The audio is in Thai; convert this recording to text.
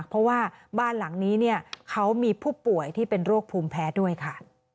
เพราะว่าบ้านหลังนี้เนี่ยเขามีผู้ป่วยที่เป็นโรคภูมิแพ้ด้วยค่ะ